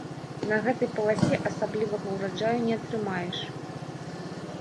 На гэтай паласе асаблівага ўраджаю не атрымаеш.